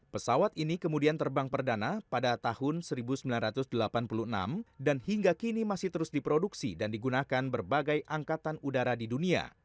pesawat ini kemudian terbang perdana pada tahun seribu sembilan ratus delapan puluh enam dan hingga kini masih terus diproduksi dan digunakan berbagai angkatan udara di dunia